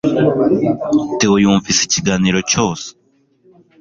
Theo yumvise ikiganiro cyose